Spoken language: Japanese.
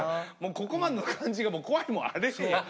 ここまでの感じがもう怖いもんあれへんやん。